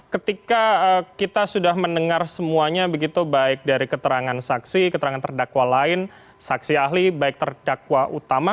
ketika kita sudah mendengar semuanya begitu baik dari keterangan saksi keterangan terdakwa lain saksi ahli baik terdakwa utama